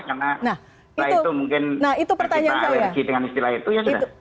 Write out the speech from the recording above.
karena itu mungkin kita alergi dengan istilah itu ya sudah